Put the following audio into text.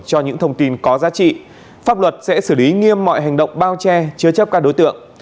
cho những thông tin có giá trị pháp luật sẽ xử lý nghiêm mọi hành động bao che chứa chấp các đối tượng